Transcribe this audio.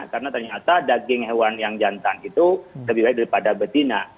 karena ternyata daging hewan yang jantan itu lebih baik daripada betina